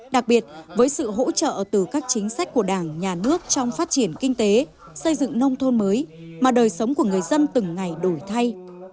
đặc biệt với sự hỗ trợ từ các chính sách của đảng nhà nước trong phát triển kinh tế xây dựng nông thôn mới mà đời sống của người dân từng ngày đổi thay